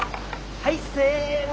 はいせの。